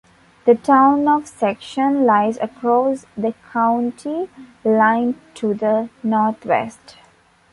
The town of Section lies across the county line to the northwest.